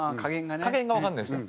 加減がわからないんですよ。